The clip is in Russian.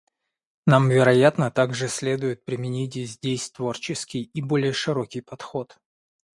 Нам, вероятно, также следует применить здесь творческий и более широкий подход.